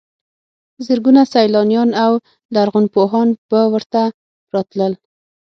زرګونه سیلانیان او لرغونپوهان به ورته راتلل.